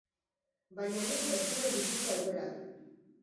Baina nik ez nuen bizitza aukeratu.